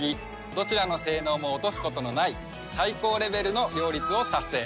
どちらの性能も落とすことのない最高レベルの両立を達成。